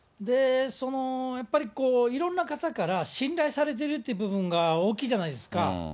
やっぱりいろんな方から信頼されてるっていう部分が大きいじゃないですか。